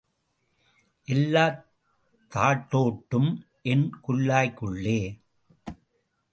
எல்லாத் தாட்டோட்டும் என் குல்லாய்க்குள்ளே.